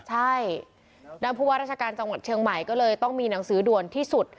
ใช่ด้านผู้ว่าราชการจังหวัดเชียงใหม่ก็เลยต้องมีหนังสือด่วนที่สุด